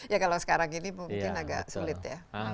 ya kalau sekarang ini mungkin agak sulit ya